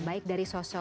baik dari sosok